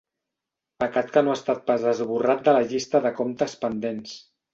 Pecat que no ha estat pas esborrat de la llista de comptes pendents.